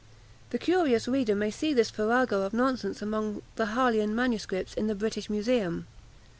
The curious reader may see this farrago of nonsense among the Harleian Mss. in the British Museum.